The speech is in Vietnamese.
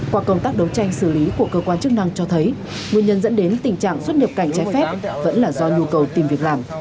qua công tác đấu tranh xử lý của cơ quan chức năng cho thấy nguyên nhân dẫn đến tình trạng xuất nhập cảnh trái phép vẫn là do nhu cầu tìm việc làm